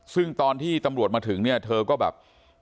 ซึ่งตอนที่ตำรวจมาถึงเนี่ยเธอก็แบบ